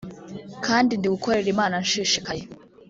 kandi ndi gukorera Imana nshishikaye